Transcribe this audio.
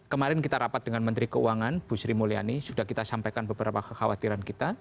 kemarin kita rapat dengan menteri keuangan bu sri mulyani sudah kita sampaikan beberapa kekhawatiran kita